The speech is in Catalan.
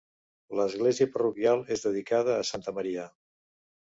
L'església parroquial és dedicada a Santa Maria.